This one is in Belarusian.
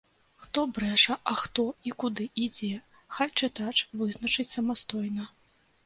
Хто брэша, а хто і куды ідзе, хай чытач вызначыць самастойна.